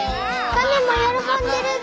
カメも喜んでるで！